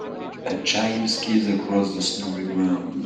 A child skis across the snowy ground.